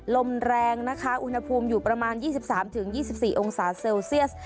ลมแรงนะคะอุณหภูมิอยู่ประมาณ๒๓๒๔องศาเซลเซียส